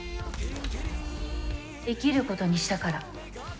生きることにしたから。